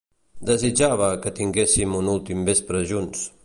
Desitjava que tinguéssim un últim vespre junts.